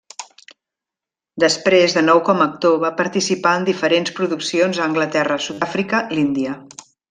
Després, de nou com a actor, va participar en diferents produccions a Anglaterra, Sud-àfrica, l'Índia.